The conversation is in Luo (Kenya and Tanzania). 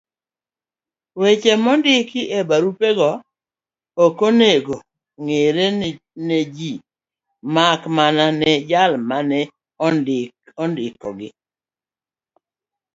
Weche mondiki ebugego okonego ong'ere neji makmana ne jal mane ondikogi.